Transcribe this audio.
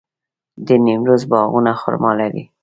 د نیمروز باغونه خرما لري.